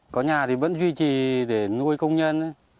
có nhà thì vẫn duy trì để nuôi công nhân